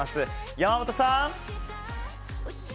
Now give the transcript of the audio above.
山本さん。